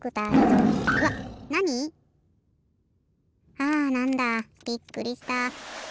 あなんだびっくりした。